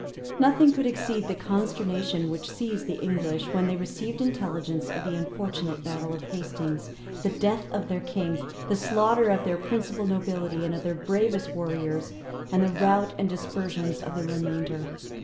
} Nothing could exceed the consternation which seized the English when they received intelligence of the unfortunate battle of Hastings, the death of their king, the slaughter of their principal nobility and of their bravest warriors, and the rout and dispersion of the remainder.